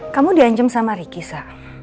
kamu dianjem sama ricky sa